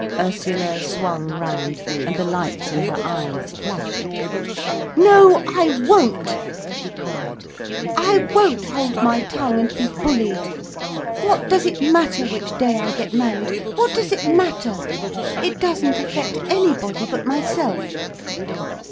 Ursula swung round, and the lights in her eyes flashed. "No, I won't," she cried. "I won't hold my tongue and be bullied. What does it matter which day I get married—what does it matter! It doesn't affect anybody but myself."